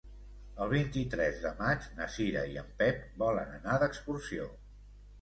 El vint-i-tres de maig na Cira i en Pep volen anar d'excursió.